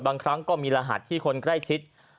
บางครั้งก็มีรหัสที่คนใกล้ชิด